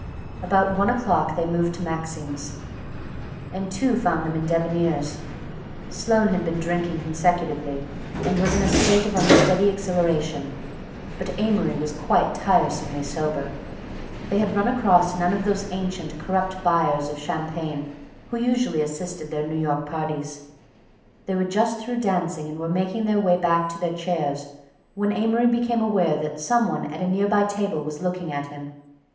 About one o'clock they moved to Maxim's, and two found them in Deviniere's. Sloane had been drinking consecutively and was in a state of unsteady exhilaration, but Amory was quite tiresomely sober; they had run across none of those ancient, corrupt buyers of champagne who usually assisted their New York parties. They were just through dancing and were making their way back to their chairs when Amory became aware that some one at a near by table was looking at him.